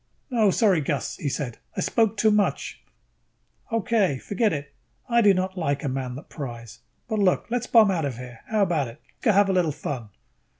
"No, sorry, Gus," he said. "I spoke too much." "Okay. Forget it. I do not like a man that pries. But look, let's bomb out of here, how about it? Go have a little fun."